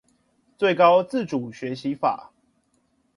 最高自主學習法